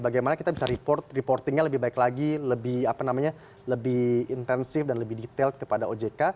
bagaimana kita bisa reportingnya lebih baik lagi lebih intensif dan lebih detail kepada ojk